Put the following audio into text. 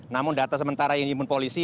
namun data sementara yang diimpun polisi